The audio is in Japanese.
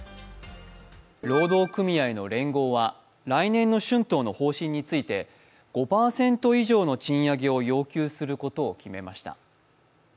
労働組合の連合は、来年の春闘の方針について５％以上の賃上げを要求することを決めました。